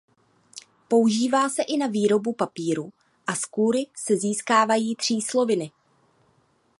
Používá se i na výrobu papíru a z kůry se získávají třísloviny.